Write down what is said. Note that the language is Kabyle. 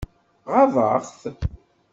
Ɣaḍeɣ-t?